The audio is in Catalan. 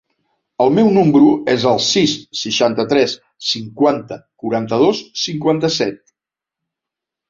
El meu número es el sis, seixanta-tres, cinquanta, quaranta-dos, cinquanta-set.